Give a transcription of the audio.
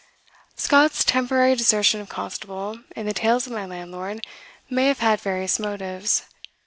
Scott's temporary desertion of Constable in the "Tales of my Landlord" may have had various motives.